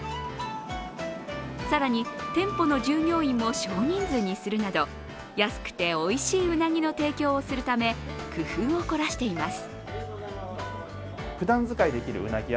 更に、店舗の従業員も少人数にするなど安くておいしいうなぎの提供をするため、工夫を凝らしています。